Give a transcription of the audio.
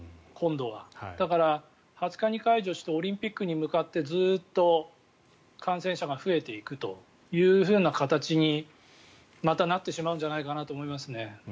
だから、２０日に解除してオリンピックに向かってずっと感染者が増えていくという形にまたなってしまうんじゃないかなと思ってしまいますね。